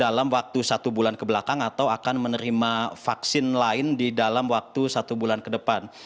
dalam waktu satu bulan kebelakang atau akan menerima vaksin lain di dalam waktu satu bulan ke depan